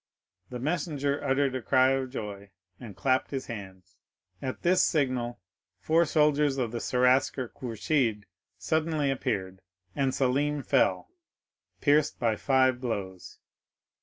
The messenger uttered a cry of joy and clapped his hands. At this signal four soldiers of the Seraskier Kourchid suddenly appeared, and Selim fell, pierced by five blows.